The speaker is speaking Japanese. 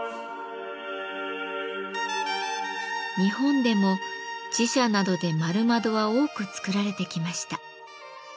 日本でも寺社などで円窓は多く作られてきました。